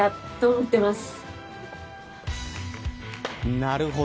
なるほど。